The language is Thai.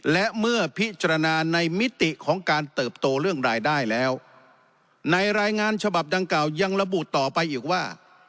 และเมื่อพิจารณาในมิติของการเติบโตเรื่องรายได้แล้วในรายงานฉบับดังกล่ายังระบุต่อไปอีกว่า